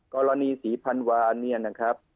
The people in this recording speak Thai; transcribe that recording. กรณีศรีพันวาเนี่ยนะครับ